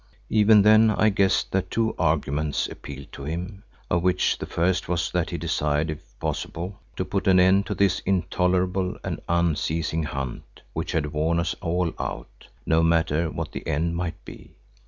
Even then I guessed that two arguments appealed to him, of which the first was that he desired, if possible, to put an end to this intolerable and unceasing hunt which had worn us all out, no matter what that end might be.